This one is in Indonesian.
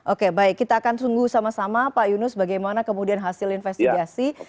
oke baik kita akan tunggu sama sama pak yunus bagaimana kemudian hasil investigasi